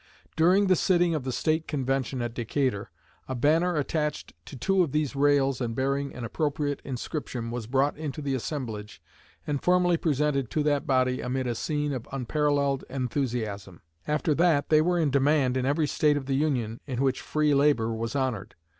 During the sitting of the State Convention at Decatur, a banner attached to two of these rails and bearing an appropriate inscription was brought into the assemblage and formally presented to that body amid a scene of unparalleled enthusiasm. After that they were in demand in every State of the Union in which free labor was honored.